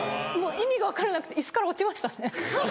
意味が分からなくて椅子から落ちましたね